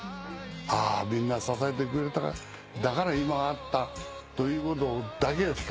あみんな支えてくれたからだから今があったということだけしか考えないね。